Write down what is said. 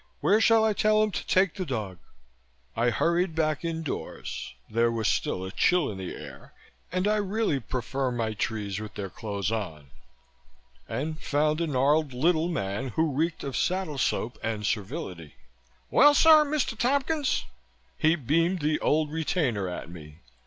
Where shall I tell him to take the dog?" I hurried back indoors there was still a chill in the air and I really prefer my trees with their clothes on and found a gnarled little man who reeked of saddle soap and servility. "Well, sir, Mr. Tompkins," he beamed the Old Retainer at me.